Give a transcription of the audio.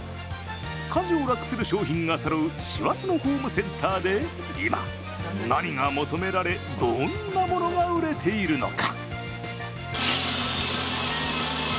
家事を楽する商品がそろう師走のホームセンターで今、何が求められ、どんなものが売れているのか。